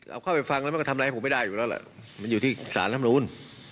เอาเข้าไปฟังแล้วมันก็ทำอะไรผมไม่ได้อยู่แล้วล่ะมันอยู่ที่สารลำนูล